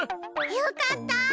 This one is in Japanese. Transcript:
よかったあ！